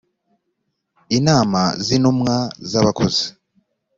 inama z intumwa z abakozi